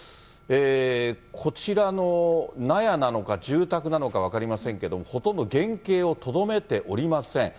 こちらの納屋なのか、住宅なのか分かりませんけれども、ほとんど原形をとどめておりません。